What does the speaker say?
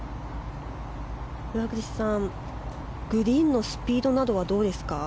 村口さん、グリーンのスピードなどはどうですか。